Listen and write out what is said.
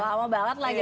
berapa lama banget lagi